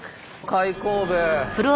開口部。